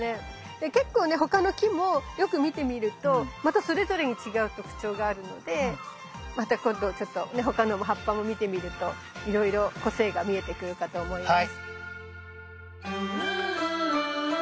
結構ね他の木もよく見てみるとまたそれぞれに違う特徴があるのでまた今度他の葉っぱも見てみるといろいろ個性が見えてくるかと思います。